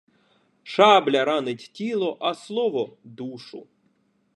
Шабля ранить тіло, а слово – душу.